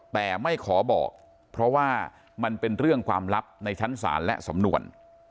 แต่ไม่ขอบอกเพราะว่ามันเป็นเรื่องความลับในชั้นศาลและสำนวน